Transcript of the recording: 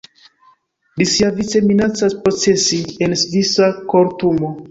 Li siavice minacas procesi en svisa kortumo.